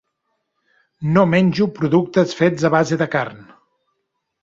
No menjo productes fets a base de carn.